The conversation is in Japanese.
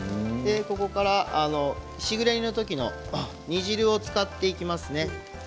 ここから、しぐれ煮のときの煮汁を使っていきますね。